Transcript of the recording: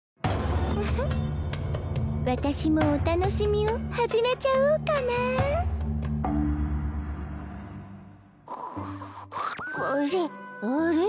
ウフッ私もお楽しみを始めちゃおうかなあれ？